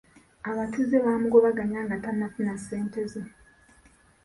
Abatuuze baamugobaganya nga tannafuna ssente ze.